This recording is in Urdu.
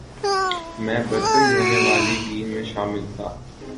میں برتن دھونے والی ٹیم میں شامل تھا ۔